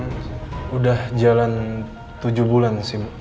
berapa ya udah jalan tujuh bulan sim